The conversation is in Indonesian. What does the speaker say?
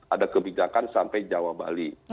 ada kebijakan sampai jawa bali